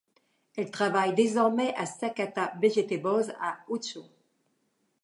Elle travaille désormais à Sakata Vegetables, à Uchaud.